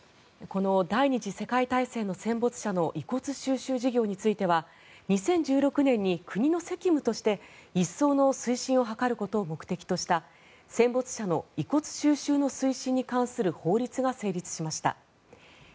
この第２次世界大戦の戦没者の遺骨収集事業については２０１６年に国の責務として一層の推進を図ることを目的とした戦没者の遺骨収集の推進に関する法律が成立しました。